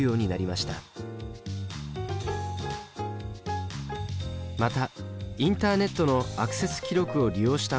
またインターネットのアクセス記録を利用した広告も増加しています。